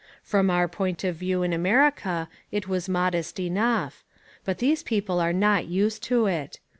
From our point of view in America, it was modest enough. But these people are not used to it.